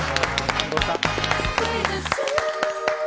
感動した！